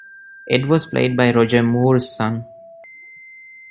Ed was played by Roger Moore's son.